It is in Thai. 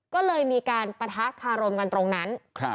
ก็เลยมีการปะทะคารมกันตรงนั้น